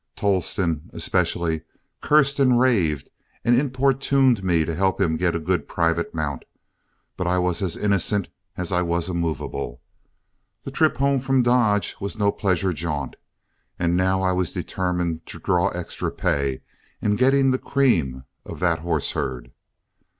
Tolleston, especially, cursed, raved, and importuned me to help him get a good private mount, but I was as innocent as I was immovable. The trip home from Dodge was no pleasure jaunt, and now I was determined to draw extra pay in getting the cream of that horse herd.